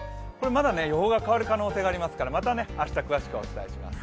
まだ予報が変わる可能性がありますからまた明日、詳しくお伝えします。